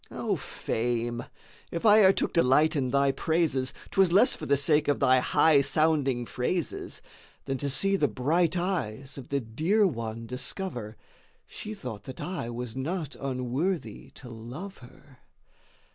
3. Oh Fame!—if I e'er took delight in thy praises, 'Twas less for the sake of thy high sounding phrases, Than to see the bright eyes of the dear One discover, She thought that I was not unworthy to love her.